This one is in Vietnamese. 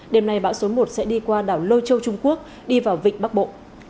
đêm nay bão số một sẽ đi qua đảo lôi châu trung quốc đi vào vịnh bắc bộ